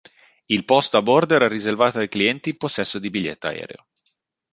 Il posto a bordo era riservato ai clienti in possesso di biglietto aereo.